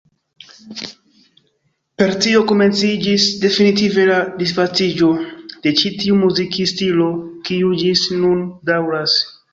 Per tio komenciĝis definitive la disvastiĝo de ĉi tiu muzikstilo, kiu ĝis nun daŭras.